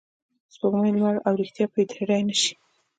سپوږمۍ، لمر او ریښتیا پټېدای نه شي.